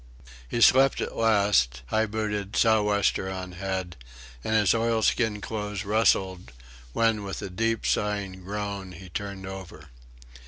He slept at last, high booted, sou'wester on head, and his oilskin clothes rustled, when with a deep sighing groan he turned over.